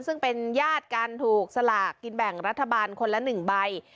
ซึ่งเป็นญาติกันถูกสลากกินแบ่งรัฐบาลคนละ๑ใบ